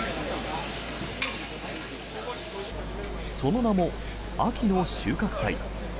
その名も秋の収穫祭。